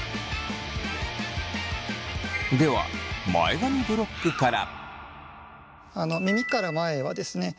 では前髪ブロックから。